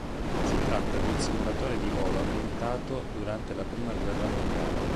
Si tratta di un simulatore di volo ambientato durante la prima guerra mondiale.